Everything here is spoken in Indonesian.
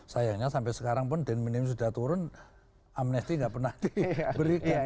sayangnya sampai sekarang pun dan minim sudah turun amnesti gak pernah diberikan